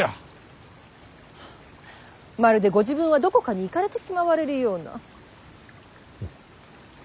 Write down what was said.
まるでご自分はどこかに行かれてしまわれるような。